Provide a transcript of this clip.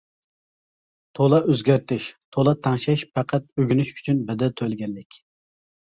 تولا ئۆزگەرتىش، تولا تەڭشەش پەقەت ئۆگىنىش ئۈچۈن بەدەل تۆلىگەنلىك.